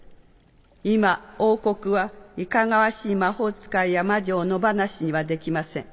今王国はいかがわしい魔法使いや魔女を野放しにはできません。